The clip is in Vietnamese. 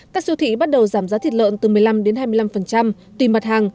các siêu thị bắt đầu giảm giá thịt lợn từ một mươi năm hai mươi năm tùy mặt hàng